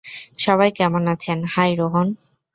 সবাই কেমন আছেন, - হাই, রোহন।